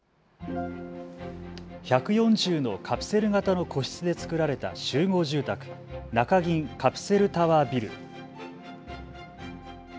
１４０のカプセル型の個室で作られた集合住宅、中銀カプセルタワービル。